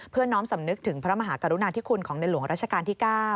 เพื่อน้องสำนึกถึงพระมหากรุณาที่คุณของเด็นหลวงรัชกาลที่๙